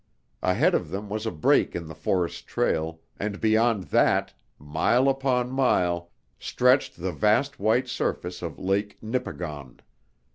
Ahead of them was a break in the forest trail and beyond that, mile upon mile, stretched the vast white surface of Lake Nipigon.